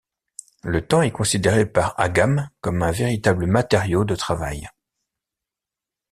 Le temps est considéré par Agam comme un véritable matériau de travail.